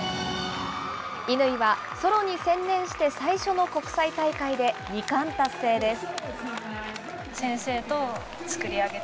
乾はソロに専念して最初の国際大会で、２冠達成です。